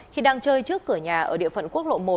khi đang chơi trước cửa nhà ở địa phận quốc lộ một